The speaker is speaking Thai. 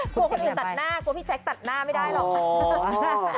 กลัวคนอื่นตัดหน้ากลัวพี่แจ๊คตัดหน้าไม่ได้หรอก